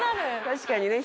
確かにね